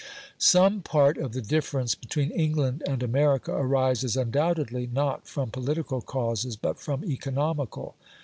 Some part of the difference between England and America arises undoubtedly not from political causes but from economical.